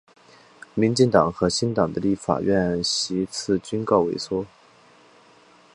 民进党和新党的立法院席次均告萎缩。